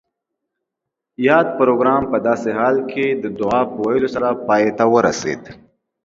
یاد پروګرام پۀ داسې حال کې د دعا پۀ ویلو سره پای ته ورسید